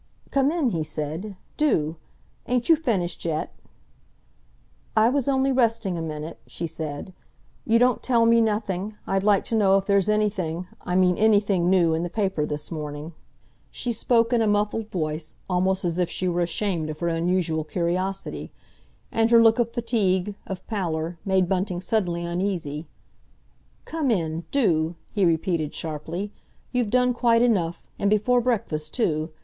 "Come in," he said, "do! Ain't you finished yet?" "I was only resting a minute," she said. "You don't tell me nothing. I'd like to know if there's anything—I mean anything new—in the paper this morning." She spoke in a muffled voice, almost as if she were ashamed of her unusual curiosity; and her look of fatigue, of pallor, made Bunting suddenly uneasy. "Come in—do!" he repeated sharply. "You've done quite enough—and before breakfast, too.